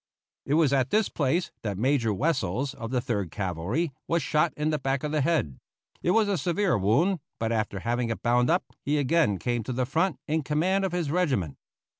It was at this place that Major Wessels, of the Third Cavalry, was shot in the back of the head. It was a severe wound, but after having it bound up he again came to the front in command of his regiment.